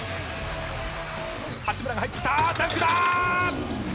八村が入ってきた、ダンクだ。